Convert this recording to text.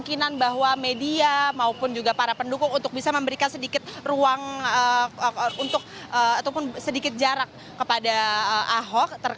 kemungkinan bahwa media maupun juga para pendukung untuk bisa memberikan sedikit ruang untuk ataupun sedikit jarak kepada ahok